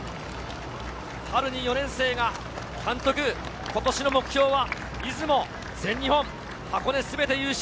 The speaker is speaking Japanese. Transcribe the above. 春に４年生が、監督、今年の目標は出雲、全日本、箱根、すべて優勝。